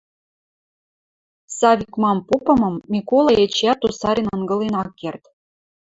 Савик мам попымым Миколай эчеӓт тусарен ынгылен ак керд.